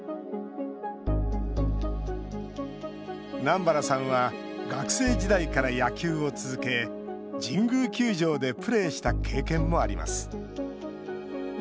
南原さんは学生時代から野球を続け神宮球場でプレーした経験もあります。